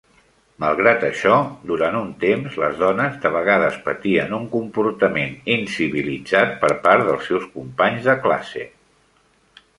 Malgrat això, durant un temps, les dones de vegades patien un comportament incivilitzat per part dels seus companys de classe.